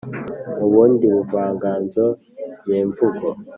mu bundi buvanganzo nyemvugo